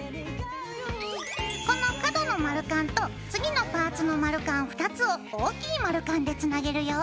この角の丸カンと次のパーツの丸カン２つを大きい丸カンでつなげるよ。